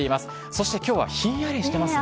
そしてきょうはひんやりしてますね。